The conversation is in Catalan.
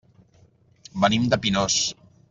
Venim de Pinós.